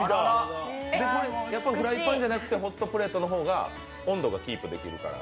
フライパンじゃなくてホットプレートの方が温度がキープできるから？